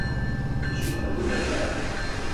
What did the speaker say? Izua, beldurra, ikara.